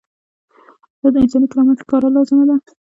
دا د انساني کرامت ښکاره لازمه ده.